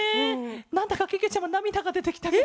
なんだかけけちゃまなみだがでてきたケロ。